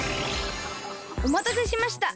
おまたせしました。